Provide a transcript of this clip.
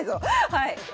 はい。